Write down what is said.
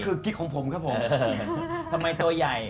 เอลซีทำไมตัวใหญ่